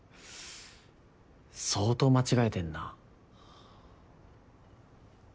相当間違えてんな。